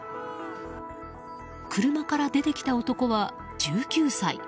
車から出てきた男は１９歳。